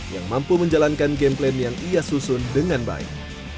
yang mampu menjalankan game plan yang ia susun dengan baik